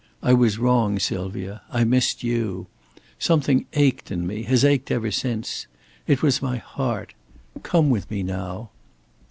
I was wrong, Sylvia. I missed you. Something ached in me has ached ever since. It was my heart! Come with me now!"